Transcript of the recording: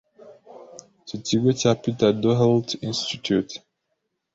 icyo kigo cya Peter Doherty Institute